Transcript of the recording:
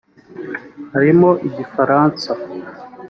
harimo Igifaransa